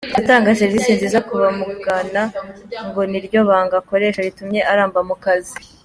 Gutanga serivisi nziza ku bamugana ngo ni ryo banga akoresha ritumye aramba mu kazi.